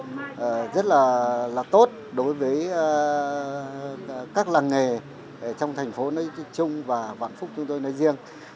tôi cho đây là một việc rất là tốt đối với các làng nghề trong thành phố nói chung và vạn phúc chúng tôi nói riêng